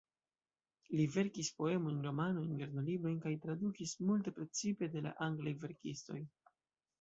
Li verkis poemojn, romanojn, lernolibrojn kaj tradukis multe, precipe de la anglaj verkistoj.